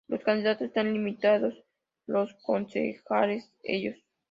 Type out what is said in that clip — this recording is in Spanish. Los candidatos están limitados los concejales ellos.